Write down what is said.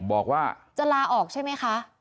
บอกว่าจะลาออกใช่ไหมคะ